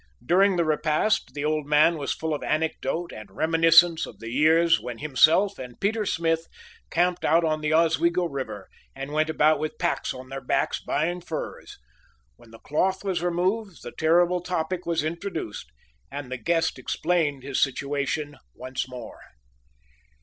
During the repast the old man was full of anecdote and reminiscence of the years when himself and Peter Smith camped out on the Oswego River, and went about with packs on their backs buying furs. When the cloth was removed the terrible topic was introduced, and the guest explained his situation once more.